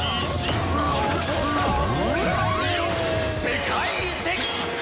世界一！」